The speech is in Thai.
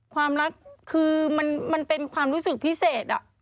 ความรักคือมันเป็นความรู้สึกพิเศษ